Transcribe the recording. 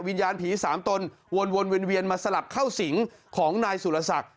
วิญญาณผีสามตนวนเวียนมาสลับเข้าสิงของนายสุรศักดิ์